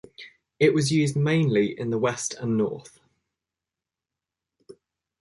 It was used mainly in the west and north.